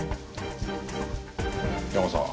ヤマさん。